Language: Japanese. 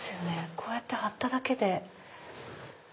こうやって貼っただけで。